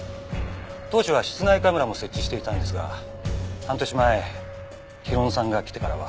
当初は室内カメラも設置していたんですが半年前浩乃さんが来てからは。